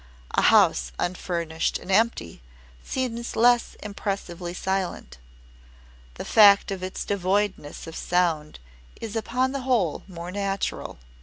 A house unfurnished and empty seems less impressively silent. The fact of its devoidness of sound is upon the whole more natural.